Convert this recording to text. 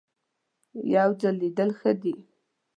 یو ځل لیدل ښه دي .